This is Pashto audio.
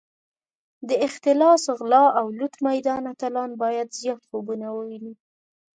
د اختلاس، غلا او لوټ میدان اتلان باید زیات خوبونه وویني.